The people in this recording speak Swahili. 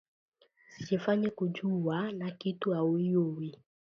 Usijifanye kujuwa na kitu auyuwi